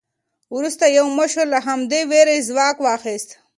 وروسته یو مشر له همدې وېرې ځواک واخیست.